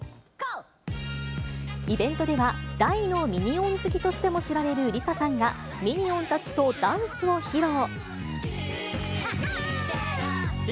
イベントでは、大のミニオン好きとしても知られるＬｉＳＡさんが、ミニオンたちとダンスを披露。